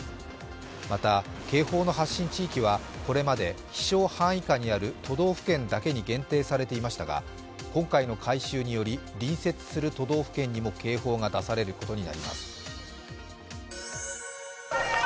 また、警報の発信地域はこれまで飛しょう範囲下にある都道府県だけに限定されていましたが今回の改修により、隣接する都道府県にも警報が出されることになります。